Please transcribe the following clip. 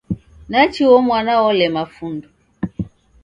Nachi uo mwana olema fundo!